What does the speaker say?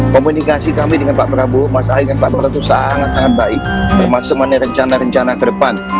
komunikasi kami dengan pak prabowo mas ahy dan pak prabowo itu sangat sangat baik termasuk mengenai rencana rencana ke depan